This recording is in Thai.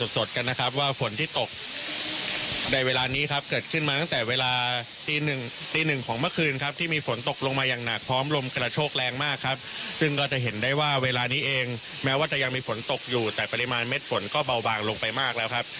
ซึ่งก็จะเห็นได้ว่าเวลานี้เองแม้ว่าจะยังมีฝนตกอยู่แต่ปริมาณเม็ดฝนก็เบาบางลงไปมากแล้วครับ